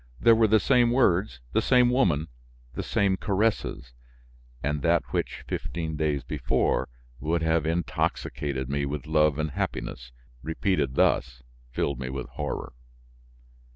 There were the same words, the same woman, the same caresses; and that which, fifteen days before, would have intoxicated me with love and happiness, repeated thus, filled me with horror.